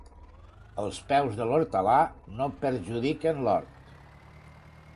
Els peus de l'hortolà no perjudiquen l'hort.